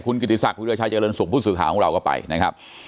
คุณกิติศักดิราชัยเจริญสุขผู้สื่อข่าวของเราก็ไปนะครับ